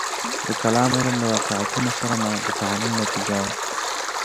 د کلام علم له واقعیتونو سره د تعامل نتیجه وه.